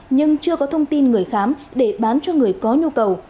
nhưng chưa có thông tin người khám để bán cho người có nhu cầu